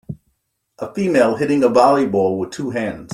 A female hitting a volleyball with two hands.